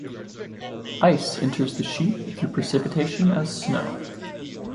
Ice enters the sheet through precipitation as snow.